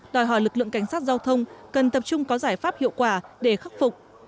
đòi hỏi lực lượng cảnh sát giao thông cần tập trung có giải pháp hiệu quả để khắc phục